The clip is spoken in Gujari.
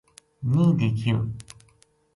نیہہ دیکھیو